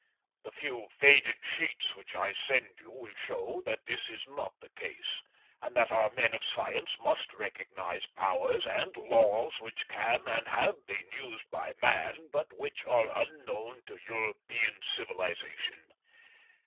The few faded sheets which I send you will show you that this is not the case, and that our men of science must recognise powers and laws which can and have been used by man, but which are unknown to European civilisation.